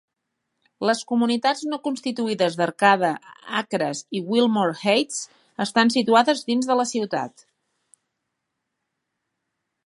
Les comunitats no constituïdes d'Arcade Acres i Wilmoore Heights estan situades dins de la ciutat.